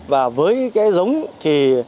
và với giống thì